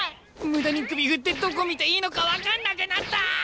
無駄に首振ってどこ見ていいのか分かんなくなった！